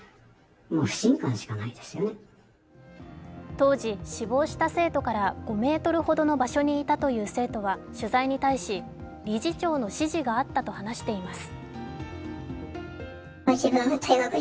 当時、死亡した生徒から５ｍほどの場所にいたという生徒は取材に対し理事長の指示があったと話しています。